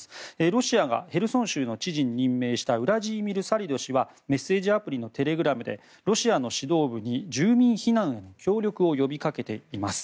ロシアがヘルソン州の知事に任命したウラジーミル・サリド氏はメッセージアプリのテレグラムでロシアの指導部に住民避難への協力を呼びかけています。